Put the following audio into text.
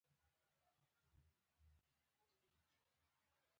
دا ميز تور رنګ لري.